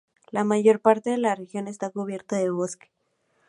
La mayor parte de la región está cubierta de bosque.